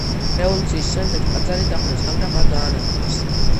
რევოლუციის შემდეგ ტაძარი დახურეს, მაგრამ არ გაანადგურეს.